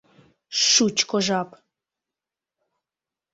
Шучко жап!